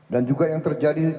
dan juga yang terjadi